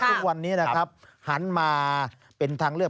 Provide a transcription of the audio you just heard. ทุกวันนี้นะครับหันมาเป็นทางเลือก